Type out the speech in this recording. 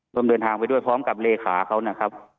ร่วมเดินทางไปด้วยพร้อมกับเลขาเขานะครับ